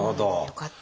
よかった。